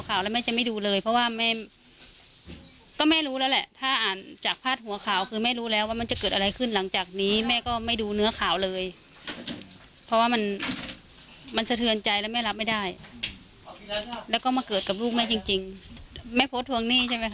คือพื้นแม่เป็นนี่แม่แล้วแม่อายม่ายกล้าทวง